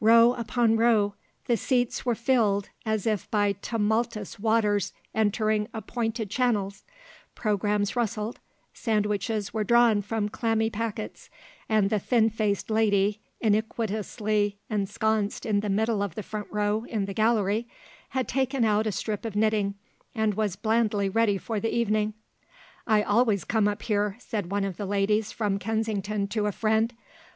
Row upon row, the seats were filled as if by tumultuous waters entering appointed channels, programmes rustled, sandwiches were drawn from clammy packets, and the thin faced lady, iniquitously ensconced in the middle of the front row in the gallery, had taken out a strip of knitting and was blandly ready for the evening. "I always come up here," said one of the ladies from Kensington to a friend.